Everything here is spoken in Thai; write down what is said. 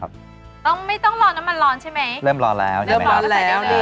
ครับต้องไม่ต้องรอนนะมันรอนใช่ไหมเริ่มรอนแล้วเริ่มรอนแล้วนี่